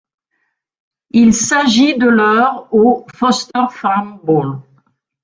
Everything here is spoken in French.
Il s'agit de leur au Foster Farm Bowl.